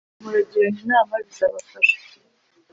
muragirane inama bizabafasha